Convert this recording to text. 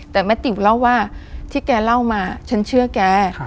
แต่แม่ติ่งเล่าว่าที่แกเล่ามาฉันเชื่อแก